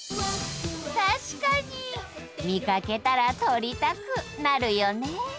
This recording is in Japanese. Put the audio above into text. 確かに見かけたら「取りたく」なるよね。